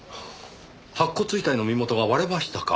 白骨遺体の身元が割れましたか！